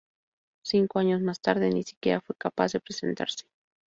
Cinco años más tarde ni siquiera fue capaz de presentarse.